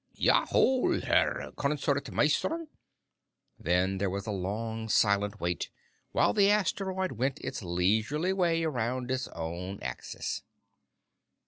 "Jawohl, Herr Konzertmeister." Then there was a long, silent wait, while the asteroid went its leisurely way around its own axis.